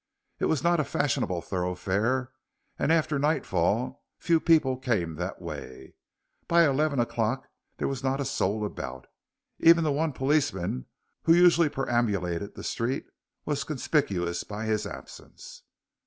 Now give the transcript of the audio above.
It was not a fashionable thoroughfare, and after nightfall few people came that way. By eleven o'clock there was not a soul about. Even the one policeman who usually perambulated the street was conspicuous by his absence.